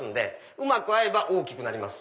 うまく合えば大きくなります。